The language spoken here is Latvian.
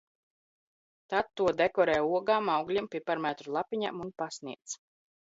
Tad to dekorē ogām, augļiem, piparmētru lapiņām un pasniedz.